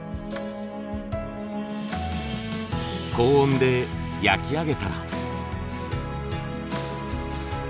高温で焼き上げたら。